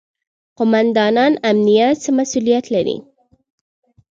قوماندان امنیه څه مسوولیت لري؟